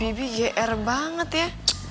bibi gr banget ya